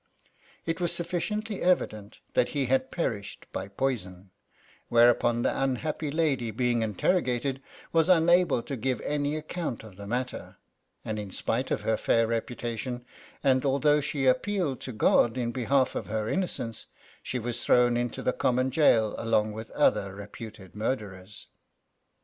It was sufficiently evident that he had perished by poison ; whereupon the unhappy lady, being interrogated, was unable to give any account of the matter ; and in spite of her fair reputation, and although she appealed to God in behalf of her innocence, she was thrown into the common gaol along with other reputed murderers.